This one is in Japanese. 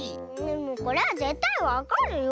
これはぜったいわかるよ。